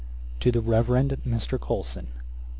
] 'To THE REVEREND MR. COLSON.